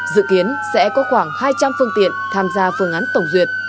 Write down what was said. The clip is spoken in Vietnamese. dự kiến sẽ có khoảng hai trăm linh phương tiện tham gia phương án tổng duyệt